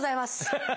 ハハハハ！